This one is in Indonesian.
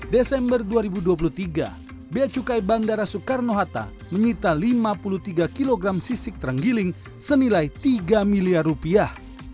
desember dua ribu dua puluh tiga beacukai bandara soekarno hatta menyita lima puluh tiga kg sisik terenggiling senilai tiga miliar rupiah